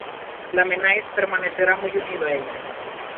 Lamennais permanecerá muy unido a ella.